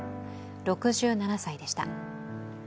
６７歳でした。